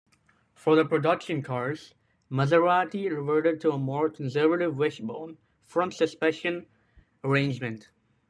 For the production cars Maserati reverted to a more conservative wishbone front-suspension arrangement.